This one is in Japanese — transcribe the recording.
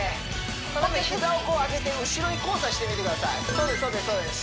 この曲好き膝をこう上げて後ろに交差してみてくださいそうです